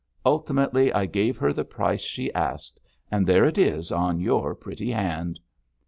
Ultimately I gave her the price she asked, and there it is on your pretty hand.'